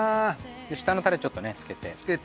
下のタレちょっとねつけて。